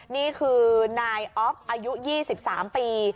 นี่คือนายอ๊อฟอายุ๒๓ปี